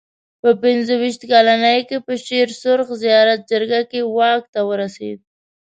په پنځه ویشت کلنۍ کې په شېر سرخ زیارت جرګه کې واک ته ورسېد.